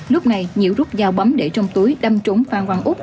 lúc này nhiễu rút dao bấm để trong túi đâm trúng phan văn úc